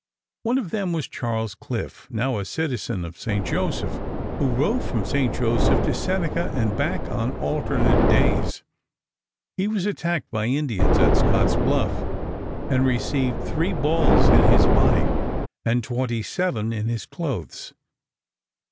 One of them was Charles Cliff, now a citizen of St. Joseph, who rode from St. Joseph to Seneca and back on alternate days. He was attacked by Indians at Scotts Bluff, and received three balls in his body and twenty seven in his clothes.